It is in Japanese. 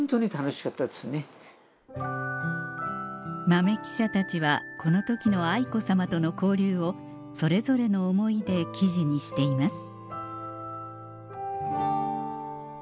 豆記者たちはこの時の愛子さまとの交流をそれぞれの思いで記事にしています